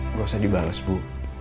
gak usah dibalas bu